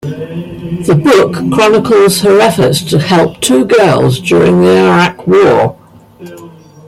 The book chronicles her efforts to help two girls during the Iraq War.